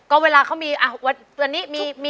ก็เวลาเขามีวันนี้มีแออร์ฟันยุควันอาทิตย์ครับ